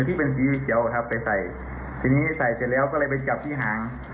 ที่เป็นสีเขียวครับไปใส่ทีนี้ใส่เสร็จแล้วก็เลยไปจับที่หาง